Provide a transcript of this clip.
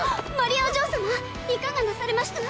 お嬢様いかがなされました？